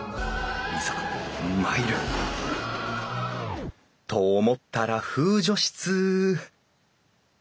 いざ参る！と思ったら風除室